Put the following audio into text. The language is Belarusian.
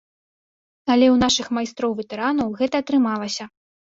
Але ў нашых майстроў-ветэранаў гэта атрымалася.